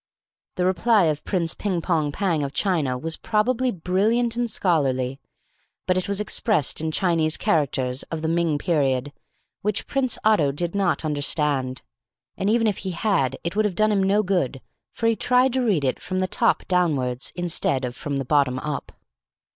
The reply of Prince Ping Pong Pang of China was probably brilliant and scholarly, but it was expressed in Chinese characters of the Ming period, which Prince Otto did not understand; and even if he had it would have done him no good, for he tried to read it from the top downwards instead of from the bottom up.